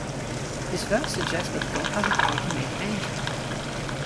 This verse suggests that God has the power to make angels.